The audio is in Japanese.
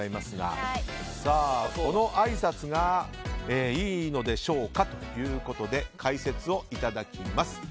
このあいさつがいいのでしょうかということで解説をいただきます。